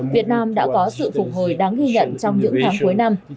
việt nam đã có sự phục hồi đáng ghi nhận trong những tháng cuối năm